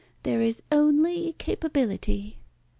"There is only capability."